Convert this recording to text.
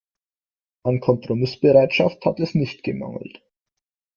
An Kompromissbereitschaft hat es nicht gemangelt.